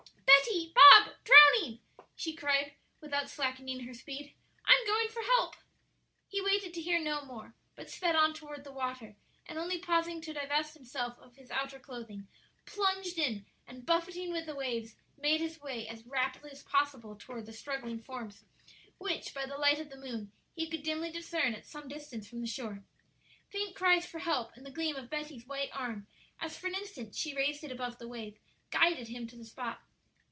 "Betty, Bob drowning!" she cried, without slackening her speed, "I'm going for help." He waited, to hear no more, but sped on toward the water; and only pausing to divest himself of his outer clothing, plunged in, and, buffeting with the waves, made his way as rapidly as possible toward the struggling forms, which, by the light of the moon, he could dimly discern at some distance from the shore. Faint cries for help and the gleam of Betty's white arm, as for an instant she raised it above the wave, guided him to the spot.